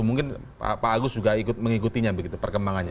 mungkin pak agus juga ikut mengikutinya begitu perkembangannya